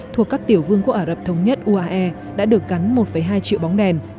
thuộc các tiểu vương của ả rập thống nhất uae đã được cắn một hai triệu bóng đèn